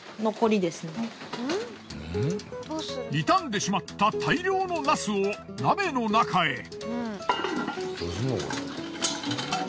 傷んでしまった大量のナスを鍋の中へ。